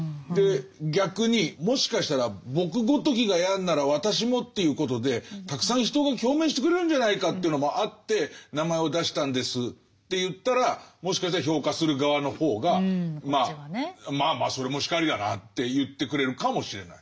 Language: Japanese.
逆に「もしかしたら僕ごときがやるなら私もということでたくさん人が共鳴してくれるんじゃないかというのもあって名前を出したんです」って言ったらもしかしたら評価する側の方が「まあまあそれも然りだな」って言ってくれるかもしれない。